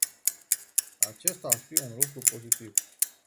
Acesta ar fi un lucru pozitiv.